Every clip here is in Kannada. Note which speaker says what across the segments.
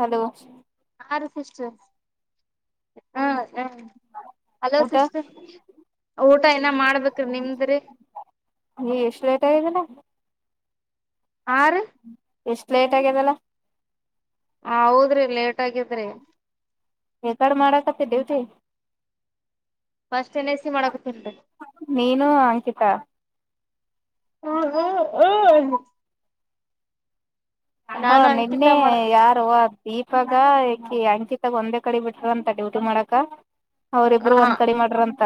Speaker 1: ಹಲೋ
Speaker 2: ಯಾರ ಸಿಸ್ಟೆರ್ ಹ್ಮ ಹ್ಮ ಹಲೋ
Speaker 1: ಊಟ
Speaker 2: ಸಿಸ್ಟೆರ್ ಊಟ ಏನ ಮಾಡ್ಬೇಕ್ರೀ ನಿಮ್ದ್ರೀ
Speaker 1: ನೀ ಎಷ್ಟು ಲೇಟ್ ಆಗಿದೀನ
Speaker 2: ಹಾ ರೀ
Speaker 1: ಎಷ್ಟ್ ಲೇಟ್ ಆಗ್ಯಿದೆಲ್ಲ
Speaker 2: ಹ ಹೌದ್ರಿ ಲೇಟ್ ಆಗಿದ್ರಿ
Speaker 1: ಎ ಕಡೆ ಮಾಡಕತ್ತೆ ದೇವತೆ
Speaker 2: ಫಸ್ಟ್ ಏನ್. ಐ. ಸಿ ಮಾಡಕತಿನ್ರಿ
Speaker 1: ನೀನು ಅಂಕಿತಾ
Speaker 2: ಹ್ ಹ್ ಹೂ
Speaker 1: ಹ
Speaker 2: ನಾನು ಅಂಕಿತ
Speaker 1: ನೆನ್ನೆ
Speaker 2: ಮಾಡ
Speaker 1: ಯಾರು ದೀಪಾಗ ಇಕಿ ಅಂಕಿತಾಗ ಒಂದೇ ಕಡೆ ಬಿಟ್ರಂತೆ ಡ್ಯೂಟಿ ಮಾಡಕ ಅವರು ಇಬ್ರು
Speaker 2: ಹ
Speaker 1: ಒಂದ್ ಕಡೆ ಮಾಡ್ರಂತ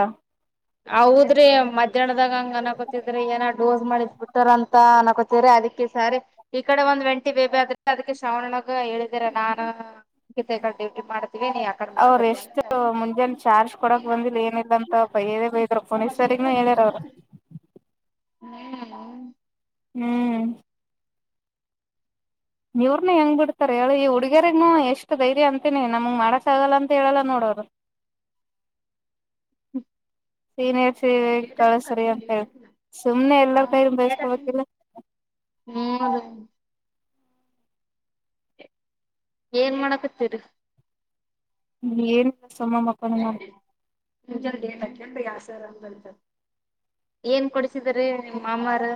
Speaker 2: ಹೌದ್ರಿ ಮಧ್ಯಾಹ್ನದಾಗ ಹಂಗ ಅನಕೋತಿದ್ರಿ ಏನೊ ಡೋಸ್ ಮಾಡಿದ್ ಬಿಟ್ಟಾರ ಅಂತ ಅಕೊ ಸರಿ ಅದಕ್ಕೆ ಸರಿ ಈ ಕಡೆ ಒಂದ್ ವಂಟಿ ಬೇಕಗುತ್ತ ಅದಕ್ಕ ಶ್ರವಣಗ ಹೇಳಿದೀರ ನಾನು ಗಡೆ ಡ್ಯೂಟಿ ಮಾಡತೀವಿ ನೀ ಯಾ ಕಡೆ ಮಾಡಕತ್
Speaker 1: ಇಷ್ಟು ಮುಂಜಾನೆ ಚಾರ್ಜ್ ಕೊಡಕ್ ಬಂದಿಲ್ಲ ಏನಿಲ್ಲ ಅಂತ ಬೈಯದೆ ಬೈಯದರು ಪೊಲೀಸರಿನು ಹೇಳ್ಯಾರ ಅವ್ರು
Speaker 2: ಹ್ಮ್ ಹ್ಮ್
Speaker 1: ಹ್ಮ್ ಇವರ್ನ ಹೆಂಗ್ ಬಿಡ್ತಾರೆ ಹೇಳು ಈ ಹುಡುಗಿರಿಗ್ ಎಷ್ಟು ಧೈರ್ಯ ಅಂತೀನಿ ನಮ್ಗೆ ಮಾಡಕ್ಕಾಗಲ್ಲ ಅಂತ ಹೇಳಲ್ಲ ನೋಡು ಅವರು.
Speaker 2: ಹ್ಮ್
Speaker 1: ಸೀನಿಯರ್ಸ ಕಳ್ಸ್ರೀ ಅಂತ ಹೇಳಿ ಸುಮ್ಮನೆ ಎಲ್ಲಾರ್ ಕೈ ಬೇಸ್ಕೋಬೇಕಿಲ್ಲ.
Speaker 2: ಹ್ಮ್ ಏನ್ ಮಾಡಕತ್ತೀರಿ.
Speaker 1: ಏನು ಇಲ್ಲ ಸುಮ್ಮ ಮಕ್ಕೊಂಡೆ ನಾನ್
Speaker 2: ನಿಜ ತಕಂಡ್ರೀ ಅದು ಸರ್ ಅಂಗೆ ಬರೀತ್ತಾರು. ಏನ್ ಕೊಡಿಸಿದ್ರ್ ರೀ ನಿಮ್ಮ್ ಮಾಮಾರು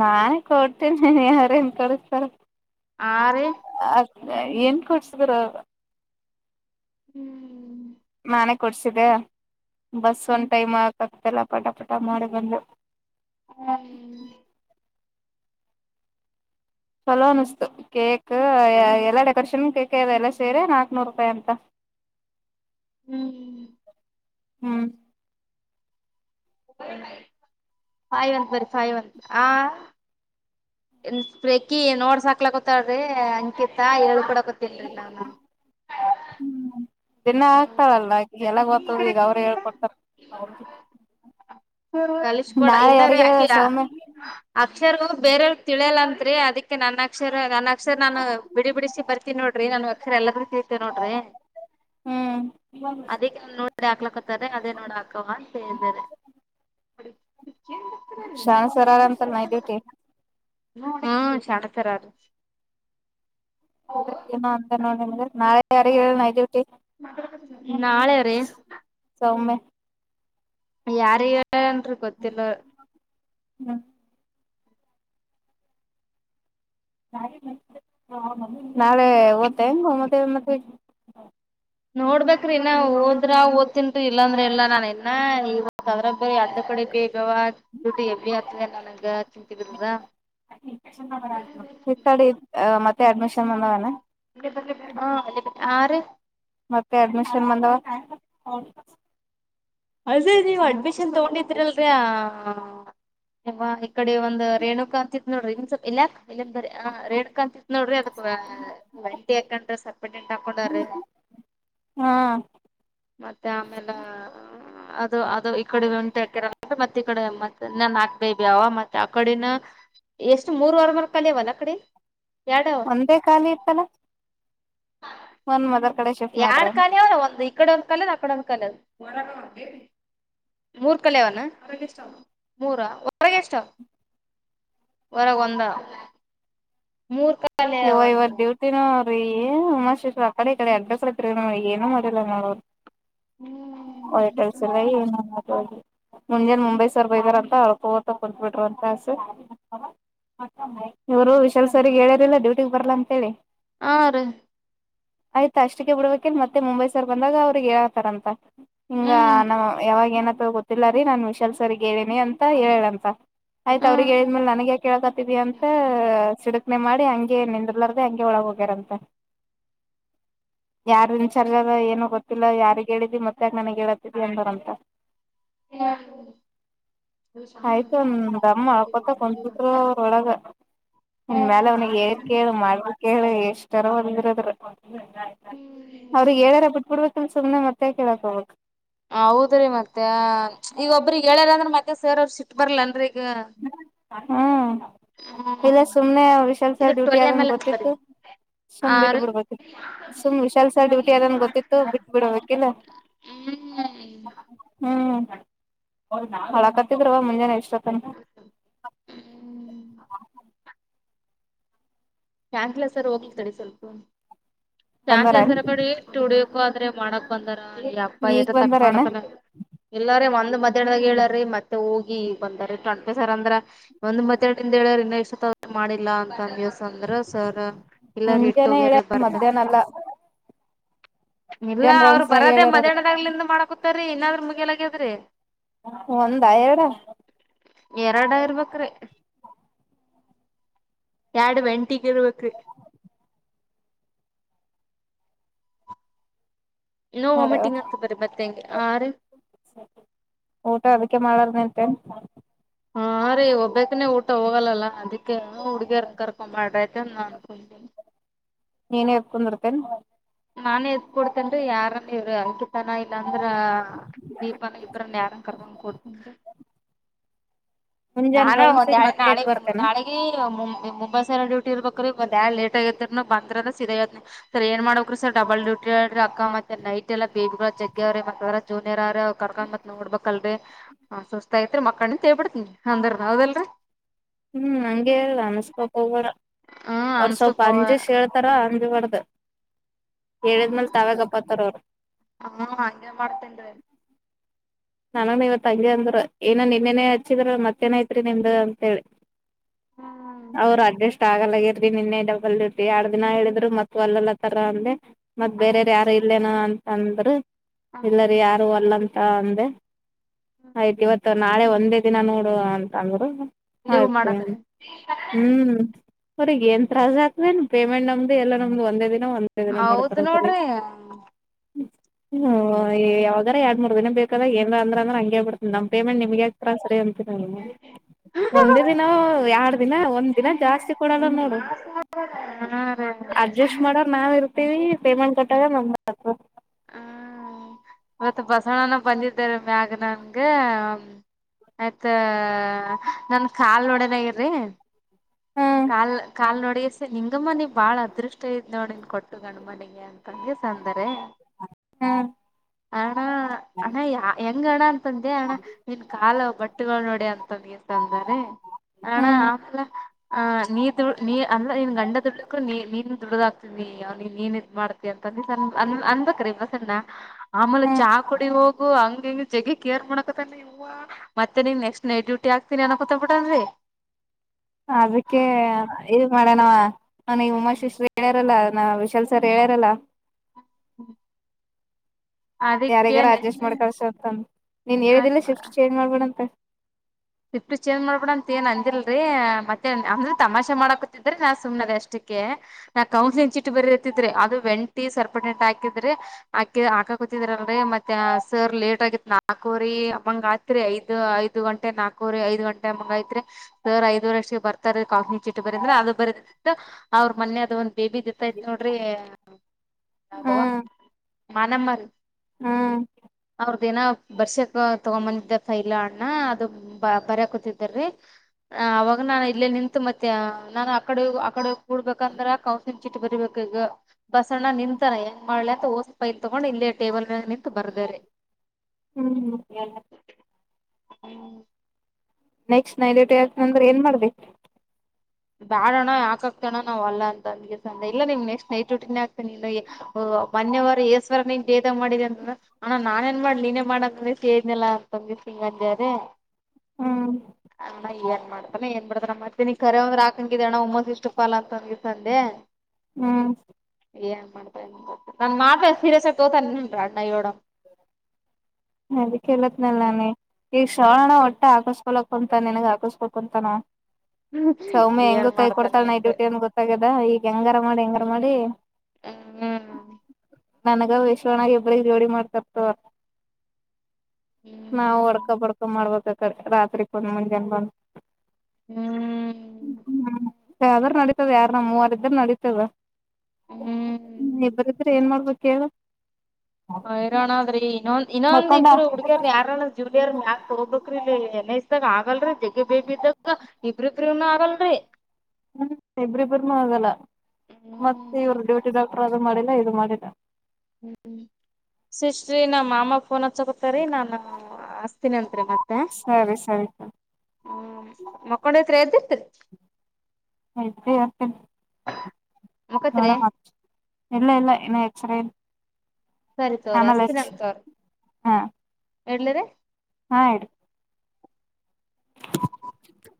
Speaker 1: ನಾ ಕೊಡ್ತೀನಿ ಅವ್ರೇನ್ ಕೊಡೂಸ್ತಾರ.
Speaker 2: ಹಾ ರೀ
Speaker 1: ಅ ಏನ್ ಕೊಡ್ಸಿದ್ರ ಅವರ್
Speaker 2: ಹ್ಮ್
Speaker 1: ನಾನೇ ಕೊಡ್ಸಿದ್ದೆ ಬಸ್ ಒಂದ್ ಟೈಮ್ ಆಕ್ ಆಗ್ತಲ್ಲ ಪಟ ಪಟ ಮಾಡಿ ಬಂದೆ.
Speaker 2: ಹ್ಮ್
Speaker 1: ಚಲೋ ಅನಿಸ್ತು ಕೇಕ್ ಎಲ್ಲಾ ಡೆಕೋರೇಷನ್ ಕೇಕ್ ಅದು ಎಲ್ಲಾ ಸೇರಿ ನಾಕ್ನೂರು ರೂಪಾಯಿ ಅಂತ.
Speaker 2: ಹ್ಮ್
Speaker 1: ಹ್ಮ್
Speaker 2: ಸಾಯಿವಂತ್ ಬರಿ ಸಾಯಿವ ಹಾ ಇಕ್ಕಿ ನೋಡ್ ಸಾಕ್ಲ ಗತಾಳ್ರಿ ಅಂಕಿತಾ ಹೇಳ ಕೂಡಗತ್ತನ್ರಿ ನಾನು.
Speaker 1: ಹ್ಮ್ ದಿನ ಓದ್ದತ್ತಾಲ್ಲ ಅಕ್ಕಿ ಎಲ್ಲಾ ಓದ್ದತ್ತಾಳಿ ಈಗ ಅವ್ರ ಹೇಳ್ಕೊಡ್ತಾರ ಅಲ್ಲ.
Speaker 2: ಕಲಿಸ್ಕೊಡ ಇಲ್ಲರೆ
Speaker 1: ಯಾರಿಗೆ
Speaker 2: ಹಾಕಿಲ್ಲ.
Speaker 1: ಸೌಮ್ಯ
Speaker 2: ಅಕ್ಷರಗಳ್ ಬೇರೆಯವರಿಗೆ ತಿಳಿಯಲಂತ್ರಿ ಅದಿಕ್ಕೆ ನನ್ನ್ ಅಕ್ಷರ ನನ್ ಅಕ್ಷರ ನಾನು ಬಿಡಿ ಬಿಡಿಸಿ ಬರ್ತೀನ್ ನೋಡ್ರಿ ನನ್ ಅಕ್ಷರ ಎಲ್ಲಾದರೂ ಕೇಳತೆ ನೋಡ್ರಿ
Speaker 1: ಹ್ಮ್
Speaker 2: ಅದಕ್ಕೆ ನೋಡ್ರಿ ಹಾಕ್ಲಕ್ಕತ್ತಾರೆ ಅದೇ ನೋಡಿ ಹಾಕವ ಅಂತ ಹೇಳ್ದೆ ರೀ.
Speaker 1: ಶಾವಣ್ ಸರ್ ಆದಾರಂತಲ್ಲ ನೈಟ್ ಡ್ಯೂಟಿ.
Speaker 2: ಹ್ಮ್ [unintelligible]
Speaker 1: ಏನ ಅಂತ ನೋಡಿರ ನಾಳೆ ಯಾರಿಗೆ ಹೇಳ್ ನೈಟ್ ಡ್ಯೂಟಿ.
Speaker 2: ನಾಳೆ ರೀ
Speaker 1: ಸೌಮ್ಯ
Speaker 2: ಯಾರಿಗ್ ಹೇಳೆನ್ ರೀ ಗೊತ್ತಿಲ್ಲ.
Speaker 1: ಹ್ಮ ನಾಳೆ ಹೋತ್ತಿಯೆನ್ ಮತ್ತೆ ಮತ್ತೆ
Speaker 2: ನೋಡ್ಬೇಕ್ರಿ ಇನ್ನ ಹೋದ್ರೆ ಹೋದ್ತನ್ರಿ ಇಲ್ಲಾಂದ್ರೆ ಇಲ್ಲ ನಾನ್ ಇನ್ನ ಇವ ಅದ್ರೆ ಬರಿ ಅದ್ದ ಕಡೆಬೇಕು. ಎ ಆತ ನುಂಗ ಚಿಂತಿಕಿದದ [unintelligible]
Speaker 1: ತಾಡಿ ಮತ್ತೆ ಅಡ್ಮಿಷನ್ ಬಂದವೇನಾ.
Speaker 2: ಹಾ ಹರೀ.
Speaker 1: ಮತ್ತೆ ಅಡ್ಮಿಷನ್ ಬಂದವ.
Speaker 2: ಅದೇ ನೀವ್ ಅಡ್ಮಿಷನ್ ತಗೊಂಡಿದ್ರಲ್ರರಿ. ಯವ್ವ ಈಕಡೆ ಒಂದು ರೇಣುಕಾಂತ್ ಇತ್ ನೋಡ್ರಿ [unintelligible] ರೇಣುಕಾಂತ ಇತ್ ನೋಡ್ರಿ. ಒಂಟಿ ಅಕಂದ್ರೆ ಸಪ್ಪೇಟ್ಟಟಟ್ ಹಾಕೊಂಡ್ರೀ.
Speaker 1: ಹಾ
Speaker 2: ಮತ್ತೆ ಆಮೇಲೆ. ಅದು ಅದು ಈ ಕಡೆ ಒಂಟೆ ಹಾಕಿರ ಮತ್ತೆ ಕಡೆ ಮತ್ತೆ ನಾನಾ ಹಕ್ ಬೇಬಿ ಅವ ಮತ್ತೆ ಆಕಡಿನ ಎಷ್ಟು ಮೂರ್ರುವಾರವರೆ [unintelligible] ಆಕಡೆ
Speaker 1: ಒಂದೇ ಖಾಲಿ ಇರ್ತಲ್ಲ. ಕಡೆ ಶಿಫ್ಟ್ ಮಾಡ್ರಿ
Speaker 2: ಎಡ್ ಖಾಲಿ ಅವ ಒಂದು ಇಕಡೆ ಒಂದ ಕಾಲದ ಅಕಡ ಒಂದ್ ಖಾಲಿ ಅದ. [unintelligible] ಮೂರ್ ಖಾಲಿ ಅವನೇನಾ ಮೂರ ಹೊರಗಗೆಷ್ಟು. ಹೊರಗೆ ಒಂದು. ಮೂರು
Speaker 1: ಯವ್ವ ಯವ್ವ. ತಿನೋರ ಏ ಉಮಾಶೇಶ್ರು ಅ ಕಡೆ ಈ ಕಡೆ ಅಡ್ರೆಸ್ ಎ ತಿರಗಾಡಿ ಏನು ಮಾಡಿಲ್ಲ ನೋಡು. [unintelligible] [unintelligible] ಇವರು ವಿಶಾಲ್ ಸಾರಗ್ ಹೇಳಿರಿಲ್ಲ ಡ್ಯೂಟಿಗ್ ಬರ್ಲಾ ಅಂತೇಳಿ.
Speaker 2: ಹಾ ರೀ.
Speaker 1: ಆಯ್ತು ಅಷ್ಟಿಗೆ ಬಿಡ್ಬೇಕಿಲ್ಲ ಮತ್ತೆ ಮುಂಬೈ ಸರ್ ಬಂದಾಗ ಅವ್ರಿಗೆ ಹೇಳತಾರ ಅಂತ. ಹಿಂಗ
Speaker 2: ಹ್ಮ್
Speaker 1: ನಮ್ಮ ಯಾವಾಗ ಏನತ್ರ ಗೊತ್ತಿಲ್ಲಾರಿ ನಾನನ್ ವಿಶಾಲ್ಸರ್ಗ್ ಹೇಳೇನಿ ಅಂತ ಹೇಳಂತ. ಆಯ್ತತ್ ಅವ್ರಿಗೆ
Speaker 2: ಹ್ಮ್
Speaker 1: ಹೇಳಿದ್ಮೇಲೆ ನನ್ಗ ಯಾ ಕೇಳಕತಿದ ಅಂತ ಸಿಡಕನೆೆ ಮಾಡಿ ಹಂಗ. ನಿಂದಲಾರದೆ ಹಂಗೆ ಒಳಗ ಹೋಗ್ಯಾರಂತ.
Speaker 2: [inaudible]
Speaker 1: ಯಾರ್ ಇನ್ಚಾರ್ಜ್ ಅರ ಏನು ಗೊತ್ತಿಲ್ಲ ಯಾರಿಗಿ ಹೇಳಿದಿ ಮತ್ತ ಯಾಕ ನನಗ್ ಹೇಳತ್ತಿದಿ ಅಂದರಂತ.
Speaker 2: ಯಾರ್.
Speaker 1: ಆಯ್ತು ಒಂದ ದಮ್ಮ್ ಆಕೊತ ಕುಂತುಬಿಟ್ರು ಅವ್ರು ಒಳ್ಳಗ. ನಾನ್ ಮೇಲೆ ಅವನಿಗೆ ಕೇರ್. ಮಾಡ್ಲಿ ಕೇಳ ಎಷ್ಟರ ಒಂದಿರದ
Speaker 2: ಹ್ಮ್
Speaker 1: ಅವ್ರಿಗೆ ಹೇಳಾರ ಬಿಟ್ಬಿಡ್ಬೇಕ. ಸುಮ್ನೆ ಮತ್ತ ಯಾಕ್ ಕೇಳಕ್ ಹೋಗಬೇಕು.
Speaker 2: ಹೌದ್ರೀ ಮತ್ತೆ ಈಗ ಒಬ್ರಿಗ್ ಹೇಳ್ಯಾರಂದ್ರ ಮತ್ತೆ ಸೇರ ಅವರು ಸಿಟ್ ಬರ್ಲನೆನ್ರಿ ಈಗ.
Speaker 1: ಹ್ಮ್ ಇಲ್ಲ
Speaker 2: ಹ್ಮ್
Speaker 1: ಸುಮನೆ ವಿಶಾಲ್ ಸರ್
Speaker 2: ಇದು
Speaker 1: ಡ್ಯೂಟಿ
Speaker 2: ಟ್ವೆಲ್ ಎಮ್
Speaker 1: ಆದಂತ
Speaker 2: ಎಲ್ ಅಂತ ಬರಿ
Speaker 1: ಗೊತ್ತಿತ್ತು. ಸುಮ್ ಬಿಟ್ಟು
Speaker 2: ಆರು
Speaker 1: ಬಿಡ್ಬೇಕ ಇತು ಸುಮ್ ವಿಶಾಲ್ ಸರ್ ಡ್ಯಟಿ ಆದಂತ ಗೊತ್ತಿತ್ತು ಬಿಟ್ಟ ಬಿಡ್ಬೇಕಿಲ್ಲ.
Speaker 2: [inaudible]
Speaker 1: ಹ್ಮ್ ಅಳಕತಿದ್ರುಅವ್ವಾ ಮುಂಜಾನೆ ಇಷ್ಟೋತ್ತನ
Speaker 2: [inaudible] ಶಾಂತ್ಲ ಸರ್ ಹೋಗ್ಲಿ ಕಡೆ ಸ್ವಲ್ಪ ಶ್ಯಾಂತ್ಲ
Speaker 1: ಬಂದಾರೇನ್
Speaker 2: ಸರ ಕಡೆ. ಸ್ಟುಡಿಯೋಕ್ಕೂ ಆದ್ರೆ ಮಾಡಕ್ ಬಂದಾರ ಯಪ್ಪಾ
Speaker 1: ಈಗ್
Speaker 2: ಯಾದಕ್ ತಪ್ಪು
Speaker 1: ಬಂದಾರೇನ
Speaker 2: ಮಾಡನಾ. ಎಲ್ಲಾರ ಒಂದ್ ಮಧ್ಯಾಹ್ದಾಗ ಹೇಳ್ರೀ ಮತ್ತೆ ಹೋಗಿ ಬಂದಾರಿ ಟಂಪಸರ್ ಅಂದ್ರ. ಬಂದು ಮದ್ಯಾಹಾದ್ನ ಹೇಳ ಇನ್ನ ಎಷ್ಟ ಮಾಡಿಲ್ಲ ಅಂತ. ಅಂದ್ರ ಸರ್ ಇಲ್ಲಾರಿ
Speaker 1: ಮುಂಜಾನೆ
Speaker 2: ಇಟ್ಟೋಗ್ಯಾರ
Speaker 1: ಹೇಳ್ಯಾರ
Speaker 2: ಬರ್ತರೆ.
Speaker 1: ಮಧ್ಯಾಹ್ನ ಅಲ್ಲ
Speaker 2: ಇಲ್ಲ
Speaker 1: ಮುಂಜಾನ್
Speaker 2: ಅವ್ರು
Speaker 1: ರೌಂಡ್ಸ್ನಾಗ
Speaker 2: ಬರೋದೇ
Speaker 1: ಹೇಳ್ಯಾರ ಅವ್ರಿಗೆ.
Speaker 2: ಮಧ್ಯಾಹ್ದಾಗ್ಲಿಂದ್ ಮಾಡಕ. ಇನ್ನಾದ್ರ್ ಮುಗಿಯಲಾಗ್ಯದ್ರಿ.
Speaker 1: ಒಂದ ಎರಡ.
Speaker 2: ಎರಡ ಇರ್ಬೇಕ್ರೀ. ಎರಡು. [unintelligible] ಇರಬೇಕ್ರಿ. ನೋ
Speaker 1: ನಡ್ಯವ
Speaker 2: ವಾಮಿಟಿಂಗ್ ಅಂತ ಬತ್ತ ಇಂಗೆ ಹಾರೀ.
Speaker 1: ಊಟ ಅದಕ್ಕೆ ಮಾಡಾರದನೀಂತನ.
Speaker 2: ಹಾ ರೀ ಒಬ್ಬಕನೇ ಊಟ ಹೋಗಲ್ಲಲ್ಲ ಅದಿಕ್ಕೇ. [unintelligible]
Speaker 1: ನೀನೇ ಹೋಗಿಕುಂದುರರ್ತೆನು.
Speaker 2: ನಾನೇ ಎದ್ದು ಕೊಡ್ತನ್ರೀ ಯಾರನ್ ಇರ ಅಂಕಿತನ ಇಲ್ಲಾಂದ್ರ. ದೀಪಾನ ಇಬ್ಬರನ್ನ ಕರ್ಕೊಂಡ್ ಕೊಡ್ತ.
Speaker 1: ಮುಂಜಾನ್
Speaker 2: ನಾನು ಒಂದೆ
Speaker 1: ರೌಂಡ್ಸಿಗ್
Speaker 2: [unintelligible]
Speaker 1: ಮತ್ತೆ ಎದ್
Speaker 2: ನಾಳಿಗಿ
Speaker 1: ಬರ್ತೇನ
Speaker 2: ನಾಳಿಗಿ ಈ ಮು ಮುಂಬೈಸನ ಡ್ಯೂಟಿ ಇರ್ಬೇಕ್ರೀ ಒಂದು ಯು ಲೇಟ್ ಆಗೈತರಿ ಬಂದ್ರಂದ ಸೀಯದ. ಸರ್ ಏನ್ ಮಾಡ್ಬೇಕ್ರಿ ಸರ್ ಡಬಲ್ ಡೂಟಿ ಹೇಳ್ಯರಿ ಅಕ್ಕ ಮತ್ತೆ ನೈಟ್ ಎಲ್ಲ ಬೇಬಿಗಳು ಜಗೆಆರಿ ಮತ್ತ ಅದರಾಗ ಜೂನಿಯರ್. ಕರ್ಕೊಂಡ್ ಮತ್ ನೋಡ್ಬೇಕಲ್ರಿ ಸುಸ್ತ ಐತ್ರಿ ಮಕ್ಕಂತ ಹೇಳ್ ಬಿಡ್ತನಿ ಅಂದ್ರ ಹೌದ್ರಲ್ರಿ.
Speaker 1: ಹ್ಮ್ ನಂಗೆ ಅನ್ನಿಸ್ಕೊಳೋಕ್ಕೆ ಹೋಗಬೇಡ
Speaker 2: ಹ್ಮ್
Speaker 1: ಅವರ ಸ್ವಲ್ಪ
Speaker 2: ಅನ್ಸಕ್
Speaker 1: ಅಂಜಿಸಿ ಹೇಳ್ತಾರೆ. ಅಂಜಬಾರ್ದು ಹೇಳಿದ್ಮೇಲೆ ತಾವಗಪ್ಪಾತ್ತಾರ ಅವ್ರು.
Speaker 2: ಹಾ ಹಂಗೆ ಮಾಡ್ತೇನ್ರೀ.
Speaker 1: ನನ್ನನು ಇವತ್ತು ಅಂಗೆ ಅಂದ್ರರು ಏನ ನಿನ್ನೆನೆ ಹಚ್ಚಿದ್ರ ಮತ್ತೇನ ಐತ್ರಿ ನಿಮ್ದು ಅಂತೇಳಿ.
Speaker 2: ಹ್ಮ್
Speaker 1: ಅವರು ಅಡ್ಜಸ್ಟ್. ಆಗಲಗ ಇರ್ರಿ ನಿನ್ನೆ ಡಬಲ್ ಡ್ಯೂಟಿ ಎರಡ್ ದಿನ ಹೇಳಿದ್ರು ಮತ್ತ ಅವಲ್ಲಲ್ಲ ಅಂತಾರೆ ಅಂದೇ. ಮತ್ ಬೇರಾರ ಯಾರು ಇಲ್ಲೇನ ಅಂತ ಅಂದ್ರ
Speaker 2: ಹ್ಮ
Speaker 1: ಇಲ್ಲರಿ ಯಾರು ವಲ್ ಅಂತ ಅಂದೆ. ಆಯ್ತು ಇವತ್ತು ನಾಳೆ ಒಂದೇ ದಿನ ನೋಡು ಅಂತ ಅಂದರು
Speaker 2: ಲೀವ್
Speaker 1: ಆಯ್ತು.
Speaker 2: ಮಾಡದ್ರಿ
Speaker 1: ಹ್ಮ್ ಅವ್ರಿಗೆಏನ್ ತ್ರಾಸಸ್ ಆಗ್ತವೇ ಪೇಮೆಂಟ್ ನಮ್ದು ಎಲ್ಲ ನಮ್ದು ಒಂದೇ ದಿನ ಒಂದ. ಒಂದೇ ದಿನ
Speaker 2: ಹೌದ್
Speaker 1: ಮಾಡ್ತಾರೆ ಬರೀ.
Speaker 2: ನೋಡ್ರಿ
Speaker 1: ಹ್ಮ ಯಾವ್ದದಾರ ಎರಡ್ ಮೂರ್ ದಿನ ಬೇಕಾದ ಏನ್ ಅಂದ್ರ ಅಂದ್ರ ಹಂಗೆ ಬಿಡ್ತ. ನಮ್ಮ ಪೇಮೆಂಟ್ ನಿಮ್ಗೆ ತ್ರಾಸ್ರೀ ಅಂತೀನೀ. ಒಂದೇ ದಿನ ಎರಡ್ ದಿನ ಒಂದ್ ದಿನ ಜಾಸ್ತಿ ಕೊಡಲ್ಲ ನೋಡು.
Speaker 2: ಹುನ್ರಿ.
Speaker 1: ಅಡ್ಜಸ್ಟ್ ಮಾಡ ನಾವು ಇರ್ತೀವಿ ಪೇಮೆಂಟ್ ಕಟ್ಟಾಕೊಂದು ನಮ್ದು.
Speaker 2: ಹ್ಮ್ ಇವತ್ತ ಬಸವಣ್ಣನು ಬಂದಿದ್ದಾರ ಮ್ಯಾಗ ನನ್ಗೆ. ಆಯ್ತಾ ನನ್ ಕಾಲ್ ನೋಡೋದು ಆಗರಿ.
Speaker 1: ಹ್ಮ್
Speaker 2: ಕಾಲ್ ಕಾಲ್ ನೋಡಿ. ನಿಂಗಮ್ಮ ನಿನ್ ಬಾಳ ಅದೃಷ್ಟ ಅಯ್ತೆ [unintelligible]
Speaker 1: ಹ್ಮ್.
Speaker 2: ಅಣ್ಣ ಅಣ್ಣ ಹೆಂಗಣ್ಣ. ಅಂದೇ ಅಣ್ಣ ನಿನ್ನ ಕಾಲು ಬೆಟ್ಟುಗಳು ನೋಡೇ ಅಂತ ಅಂತಾನೆ. ಅಣ್ಣ
Speaker 1: ಹ್ಮ್
Speaker 2: ಆ ನಿನ್ ದುಡಿದ್ರು ಅಂದ್ರ ನೀನ್ ಗಂಡ ದುಡ್ಲಿಕ ನೀ ನೀನ್ ದುಡ್ಡಿದು ಆಗ್ತೀಯಾ. ನೀನು ಇದು ಮಾಡ್ತೀನಿ ಅಂತ ಅಂದ್ರು. ಕರಿ ಬಸಣ್ಣ ಆಮೇಲೆ
Speaker 1: ಹ್ಮ್
Speaker 2: ಚಾ ಕುಡಿ ಹೋಗು ಹಂಗ ಹಂಗ ಜಗಿ ಕೇರ್ ಮಾಡಕಾತನ. ಮತ್ತೆ ನೀನ್ ನೆಕ್ಸ್ಟ್ ನೈಟ್ ಡ್ಯೂಟಿ ಆಕ್ತೀನೀ ಅನ್ನ ಕುತಂನ್ರೀ.
Speaker 1: ಅದಕ್ಕೆ ಇ ಮಾಡಣವ ನ ಈ ಉಮಾಶಿ ಶ್ರೀ ಹೇಳ್ಯಾರಲ್ಲ ನಾ ವಿಶಲ್ ಸರ್. ಸರ್ ಹೇಳ್ಯಾರಲ್ಲಾ.
Speaker 2: ಹು
Speaker 1: ಯಾರಿಗಾರ ಅಡ್ಜಸ್ಟ್ ಮಾಡಿ ಕಳಸ ಅಂತಾನ ನೀನ ಹೇಳಿದ್ದಿಲ್ಲ
Speaker 2: ಆತ್ಮ
Speaker 1: ಶಿಫ್ಟ್ ಚೇಂಜ್ ಮಾಡ್ಬೇಡಂತ.
Speaker 2: ಶಿಫ್ಟ್ ಚೇಂಜ್ ಮಾಡಬೆಡಾ ಅಂತ ಏನ ಅಂದಿಲಡ್ರಿ ಮತ್ತೆ ಅಂದ್ರ ತಮಾಷೆ ಮಾಡಾಕತಿದ್ರ ರಿ ನಾ ಸುಮ್ಮ ಆದೆ ಅಷ್ಟಕ್ಕೇ. ನಾ ಕೌನ್ಸಿಲಿಂಗ್ ಚಿಟ್ ಬರಕತ್ತಿದ್ರ ಅದು ವೆಂಟಿ ಸರ್ಪೆಂಟು ಹಾಕಿದ್ರೆ ಆಕಿ ಹಾಕ. ಕೂತಿದ್ರಲರಿ ಮತ್ತೆ ಸರ್ ಲೇಟ್ ಆಗಿತ್ತು ನಾಲ್ಕವರಿ ಅವಂಗ ಆತ್ರಿ ಐದ ಐದು ಗಂಟೆ ನಾಲ್ಕು. ಕೋರಿ ಐದು ಗಂಟೆ ಹಂಗಐತ್ರಿ. ಸರ್ ಐದ್ ವರ್ಷಕ್ಕೆ ಬರ್ತಾರ ಕಾಪಿ ಚಿಟ್ ಬರದ್ರ ಅಂದ್ರೆ ಅದು ಬರದಿಟ್ಟ ಅವ್ರ ಮೊನ್ನೆದೊಂದ. ಬೇಬಿ ಡೆತ್ತೈತಿ ನೋಡ್ರಿ ಆಬವ್ವಾ
Speaker 1: ಹ್ಮ್
Speaker 2: ಮಾನಮ್ಮರಿ.
Speaker 1: ಹ್ಮ್
Speaker 2: ಅವ್ರದೇನ ಬರ್ಸಕ್ ತಗೊಬಂದಿದ್ದ ಫೈಲ ಅಣ್ಣಾ ಅದು. ಬ ಬರ್ಯಾಕೂತಿದ್ದರೀ ಅವಾಗ ನಾನ ಇಲ್ಲೇ ನಿಂತು ಮತ್ತೆ ನಾನು ಆಕಡೆ ಆಡೆ. ಕುಡ್ಬೇಕಂದ್ರ ಕೌನ್ಸಿನ್ ಚೀಟ್ ಬರಿಬೇಕ ಈಗ ಬಸಣ್ಣ ನಿಂತಾನ ಹೆಂಗ ಮಾಡ್ಲ ಅಂತ ಒಸು ಫೈಲ್. ತಗೊಂಡು ಇಲ್ಲೇ ಟೇಬಲ್ ಮ್ಯಾಗನಿಂತು ಬರ್ದಾರಿ
Speaker 1: ಹ್ಮ್
Speaker 2: ಹು
Speaker 1: ನೆಕ್ಸ್ಟ್ ನೈಟ್ ಡ್ಯೂಟಿಹಾಕತೇನಂದ್ರ ಏನ ಮಾಡಬೇಕ.
Speaker 2: ಬ್ಯಾಡ ಅಣ್ಣಾ ಯಾಕ ಹಾಕ್ತಿಣ್ಣಾ ನಾವಲ್ಲಾ ಅಂತ ಅಂದಗೆಸ ಇಲ್ಲ ನಿಮ್ಮ ನೆಕ್ಸ್ಟ್ ನೈಟ್ ದೂಟಿನ ಆಗ್ತನಿ ಇಲ್ಲಾ. ಓ ಮನ್ಯವಾರ ಯಸ್ವರಾ ನಿನ್ ಡೆಟಾ ಮಾಡಿದಿ ಅಂದ್ರ. ಅಣ್ಣಾ ನಾನಏನ ಮಾಡ್ಲಿ ನೀನೇ ಮಾಡಂತೇಳಿ ಕೇಳಿದ್ನಲ್ಲ ಮುಂದಿನ ತಿಂಗಳ ಅಂಜದೆ
Speaker 1: ಹ್ಮ್
Speaker 2: ಅಂದಾಗ ಏನ್ ಮಾಡ್ತಾನ ಏನ್ ಬಿಡ್ತಾನ ಮತ್ತಿನ ಕರವಂದ್ರ ನಿಮ್ಮಗಿದಣ್ಣಾ ಉಮ್ಮಸ್ ಇಷ್ಟುಫಾಲ ಅಂತಂದೆ.
Speaker 1: ಹು
Speaker 2: ಏನ್ ಮಾಡತ್ತಾನೇನ ನನ್ನ ಮಾತಏನ ಸಿರಿಸ್ಆಗಿ ತೊತಾನೇನ ಅಣ್ಣಾ ಹೇಳು.
Speaker 1: ಅದಕ್ಕೆ ಇರ್ಬೇಕ ನನಗ ಈಗ ಶ್ರಾವಣ ಒಟ್ಟ ಹಾಕಸ್ಕೊಲಾಕುಂತಾನ ನಿನಗ ಹಾಕೋಸ್ಕಂಕುಂತಾನ ಅವಾ ಸೌಮ್ಯ ಹೆಂಗು
Speaker 2: ಏನ್
Speaker 1: ಕೈ
Speaker 2: ಮಾಡ್ತಾನೆ
Speaker 1: ಕೊಡ್ತಳಾ ನೈಟ್
Speaker 2: ಏನ್ರಿ
Speaker 1: ಡ್ಯೂಟಿ ಅನ್ ಗೊತ್ತ ತ್ತಗದ ಈಗ ಹೆಂಗಾರ ಮಾಡಿ ಹೆಂಗಾರ ಮಾಡಿ.
Speaker 2: ಹ್ಮ್
Speaker 1: ನನಗ ವೈಶುಣ್ಣಾಗ ಇಬ್ರಗು ಜೋಡಿ ಮಾಡತ್ತಾರ ತೊ ಅವರ
Speaker 2: ಹು
Speaker 1: ನಾವ ಹೊಡ್ಕ ಬಡ್ಕೊ ಮಾಡ್ಬೇಕಕ್ಕೆತಿ ರಾತ್ರಿಕ ಒಂದ ಮುಂಜಾನ ಬಂದ.
Speaker 2: ಹ್ಮ್
Speaker 1: ಯಾದರ ನಡಿತದ ಯಾರ ನಮ್ಮ ಮೂವಾರ ಇದ್ರ ನಡೀತದ. ಹು
Speaker 2: ಹ್ಮ್
Speaker 1: ಇಬ್ಬರಿದ್ರ ಏನ್ ಮಾಡ್ಬೇಕ ಹೇಳ.
Speaker 2: ಹೈರಾನಾದ್ರ ಇನ್ನೊಂದ
Speaker 1: ಮಕೊಂಡ
Speaker 2: ಇನ್ನೋದಿಬ್ಬರ ಹುಡುಗ್ಯಾರ ಯಾರರ. ಜೂನಿಯರ್ ಯ್ಯಾಕ ತಗೊಬೇಕ್ರಿ ಇಲ್ಲಿ ಏನಿಸ್ದಾಗ ಆಗಲ್ರೀ ಜಗ್ಗಿ ಬೇಬಿದ್ದಾಗ. ಇಬ್ರು ಇಬ್ಬರುನು ಆಗಲ್ರಿ
Speaker 1: ಹು ಇಬ್ಬರ ಇಬ್ಬರುನು ಆಗಲ್ಲ ಮತ್ತೆ
Speaker 2: ಹ್ಮ್
Speaker 1: ಇವ್ರ ಡ್ಯೂಟಿ ಡಾಕ್ಟರ್ ಅದು ಮಾಡಿಲ್ಲ ಇದು ಮಾಡಿಲ್ಲಾ.
Speaker 2: ಹು ಸಿಸ್ಟ್ರಿ ನಮ್ಮ ಮಾಮ ಫೋನ್ ಹಚ್ಚಕೊತಾರೀ ನಾನು ಹಸ್ತೀನಿ ಅಂತ್ರಿ ಮತ್ತ.
Speaker 1: ಸರಿ ಸರಿ ತೋರಿ
Speaker 2: ಹು ಮಕ್ಕೊಂಡತ್ರ ಎದ್ದಿರ್ತ
Speaker 1: ಎದ್ದೆಯಾಕ್ತಿಲ್ಲ ನೋಡ
Speaker 2: ಮಕತ್ರಿ
Speaker 1: ಮತ್ತ ಇಲ್ಲ ಇಲ್ಲ ಇನ್ನು ಎಚ್ಚರ ಐತಿ.
Speaker 2: ಸರಿ ತೋರಿ ಹಚ್ಚತೇನಂತ ತೋರಿ
Speaker 1: ಹಾ
Speaker 2: ಇಡ್ಲರಿ.
Speaker 1: ಹಾ ಇಡ್ರಿ ಟಕ್ ಚಿಕ್